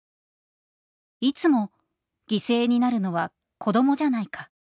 「いつも犠牲になるのは子どもじゃないか」